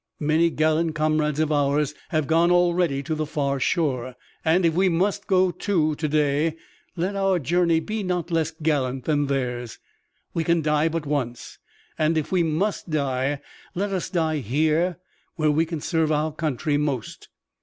Many gallant comrades of ours have gone already to the far shore, and if we must go, too, to day, let our journey be not less gallant than theirs. We can die but once, and if we must die, let us die here where we can serve our country most."